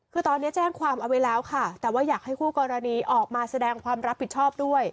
คือตอนนี้แจ้งความเอาไว้แล้วค่ะแต่ว่าอยากให้คู่กรณีออกมาแสดงความรับผิดชอบด้วย